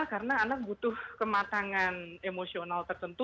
karena anak butuh kematangan emosional tertentu